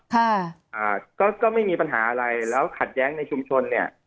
อ่าก็ก็ไม่มีปัญหาอะไรแล้วขัดแย้งในชุมชนเนี่ย